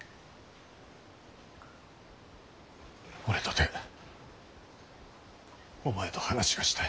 俺とてお前と話がしたい。